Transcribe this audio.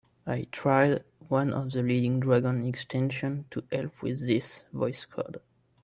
I tried one of the leading Dragon extensions to help with this, Voice Code.